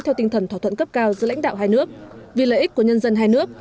theo tinh thần thỏa thuận cấp cao giữa lãnh đạo hai nước vì lợi ích của nhân dân hai nước